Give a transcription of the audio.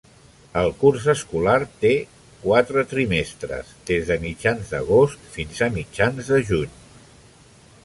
El curs escolar té quatre trimestres, des de mitjans d'agost fins a mitjans de juny.